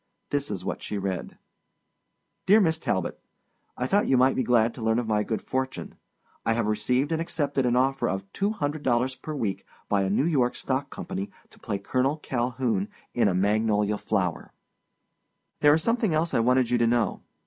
This was what she read: DEAR MISS TALBOT: I thought you might be glad to learn of my good fortune. I have received and accepted an offer of two hundred dollars per week by a New York stock company to play Colonel Calhoun in A Magnolia Flower. There is something else I wanted you to know.